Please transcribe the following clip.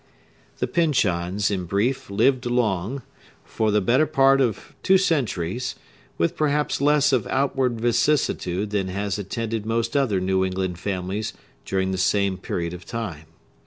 The Pyncheons, in brief, lived along, for the better part of two centuries, with perhaps less of outward vicissitude than has attended most other New England families during the same period of time.